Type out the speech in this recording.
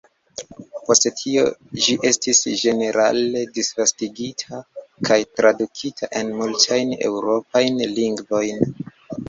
Post tio ĝi estis ĝenerale disvastigita kaj tradukita en multajn Eŭropajn lingvojn.